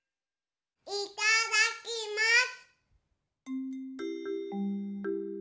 いただきます。